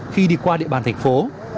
khi đi qua địa bàn thành phố